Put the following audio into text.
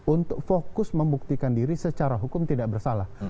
untuk fokus membuktikan diri secara hukum tidak bersalah